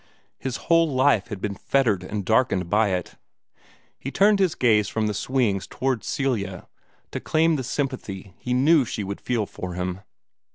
His whole life had been fettered and darkened by it. He turned his gaze from the swings toward Celia, to claim the sympathy he knew she would feel for him.